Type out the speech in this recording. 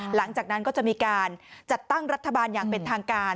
หลังจากนั้นก็จะมีการจัดตั้งรัฐบาลอย่างเป็นทางการ